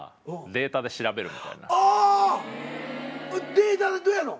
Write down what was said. データでどやの？